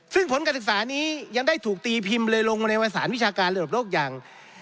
ซึ่งผลการศึกษานี้ยังได้ถูกตีพิมพ์เลยลงมาในวสารวิชาการระดับโลกอย่าง